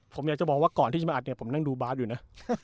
ผมอยากจะบอกว่าก่อนที่จะมาอัดเนี่ยผมนั่งดูบาร์ดอยู่นะ